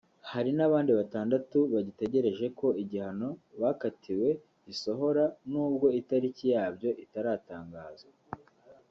hari n’abandi batandatu bagitegereje ko igihano bakatiwe gisohora nubwo itariki yabyo itaratangazwa